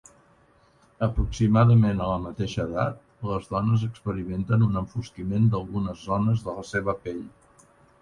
Aproximadament a la mateixa edat, les dones experimenten un enfosquiment d'algunes zones de la seva pell.